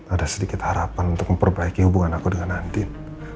ada sedikit harapan untuk memperbaiki hubungan aku dengan andin